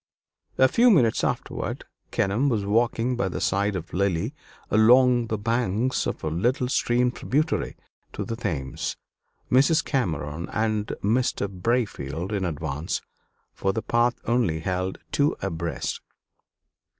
A few minutes afterward Kenelm was walking by the side of Lily along the banks of a little stream tributary to the Thames; Mrs. Cameron and Mr. Braefield in advance, for the path only held two abreast.